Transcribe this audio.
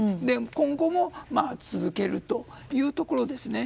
今後も続けるというところですね。